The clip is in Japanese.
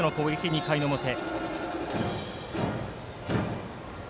２回の表。